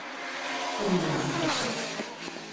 Llez.